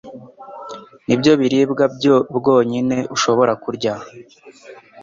Ni byo biribwa bwonyine ushobora kurya